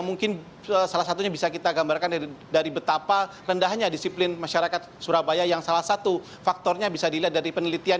mungkin salah satunya bisa kita gambarkan dari betapa rendahnya disiplin masyarakat surabaya yang salah satu faktornya bisa dilihat dari penelitian